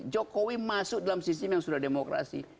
jokowi masuk dalam sistem yang sudah demokrasi